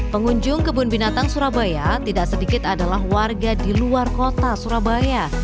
pengunjung kebun binatang surabaya tidak sedikit adalah warga di luar kota surabaya